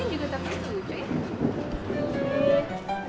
ini juga tetep lucu ya